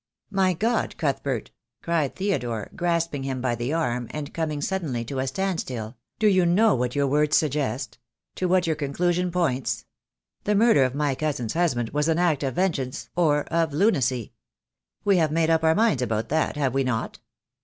"My God, Cuthbert," cried Theodore, grasping him by the arm, and coming suddenly to a standstill, "do you know what your words suggest — to what your con clusion points? The murder of my cousin's husband was an act of vengeance, or of lunacy. We have made up our minds about that, have we not?